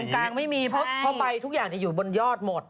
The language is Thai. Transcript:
กลางไม่มีเพราะใบทุกอย่างจะอยู่บนยอดหมด